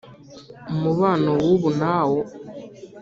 umubano w'ubu nawo